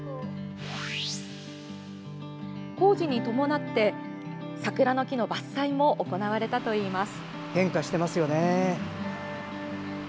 工事に伴って、桜の木の伐採も行われたといいます。